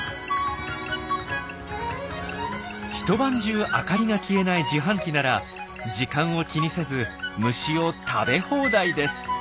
一晩中明かりが消えない自販機なら時間を気にせず虫を食べ放題です。